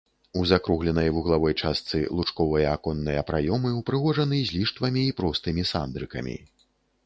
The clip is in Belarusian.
У закругленай вуглавой частцы лучковыя аконныя праёмы ўпрыгожаны з ліштвамі і простымі сандрыкамі.